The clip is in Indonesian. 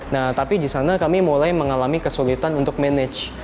nah tapi di sana kami mulai mengalami kesulitan untuk manage